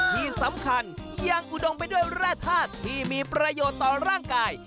ที่สำคัญยังอุดมไปด้วยแร่ธาตุที่มีประโยชน์ต่อร่างกาย